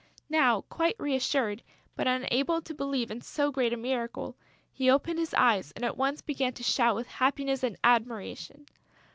Now quite reassured, but unable to believe in so great a miracle, he opened his eyes and at once began to shout with happiness and admiration.